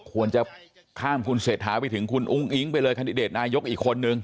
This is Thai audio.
ควรจะข้ามคุณเศรษฐาไปถึงคุณอุ้งอิ๊งไปเลยคันดิเดตนายกอีกคนนึง